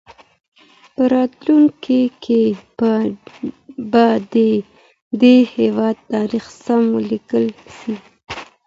په راتلونکي کي به د دې هېواد تاریخ سم ولیکل سي.